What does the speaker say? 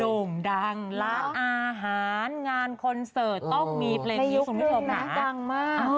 ด่งดังร้านอาหารงานคอนเสิร์ตต้องมีเพลงนี้คุณผู้ชมค่ะเป็นเพลงน้ำต่างมาก